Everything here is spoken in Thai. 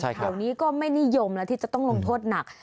แถวนี้ก็ไม่นิยมแล้วที่จะต้องลงโทษหนัก